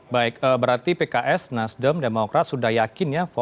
baik berarti pks nasdem demokrat sudah yakin ya